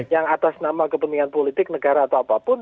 yang atas nama kepentingan politik negara atau apapun